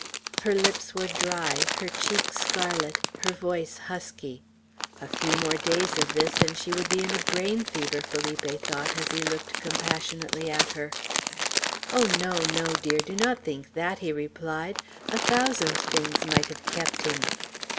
Her lips were dry, her cheeks scarlet, her voice husky. A few more days of this, and she would be in a brain fever, Felipe thought, as he looked compassionately at her. "Oh, no, no, dear! Do not think that!" he replied. "A thousand things might have kept him."